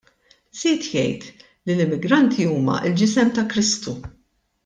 Żied jgħid li l-immigranti huma l-ġisem ta' Kristu.